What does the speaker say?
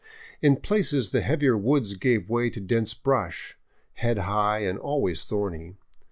In places the heavier woods gave way to dense brush, head high and always thorny.